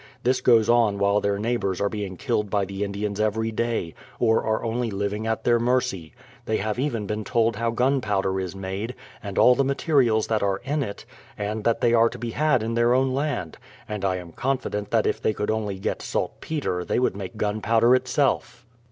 This goes on while their neighbours are being killed by the Indians every day, or are only living at their mercy. They have even been told how gun powder is made, and all the materials that are in it, and that they are to be had in their own land ; and I am confident that if they could only get saltpeter they would make gunpowder itself.